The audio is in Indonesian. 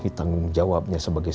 itu apa sih